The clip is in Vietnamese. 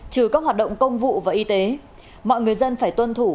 trừ các hoạt động công vụ và y tế mọi người dân phải tuân thủ